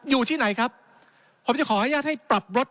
อยู่ที่ไหนครับผมจะขออนุญาตให้ปรับลด